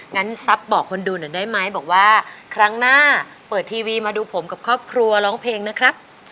ซับบอกคนดูหน่อยได้ไหมบอกว่าครั้งหน้าเปิดทีวีมาดูผมกับครอบครัวร้องเพลงนะครับ